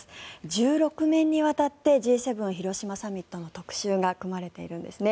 １６面にわたってＧ７広島サミットの特集が組まれているんですね。